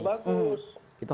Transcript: nah itu bagus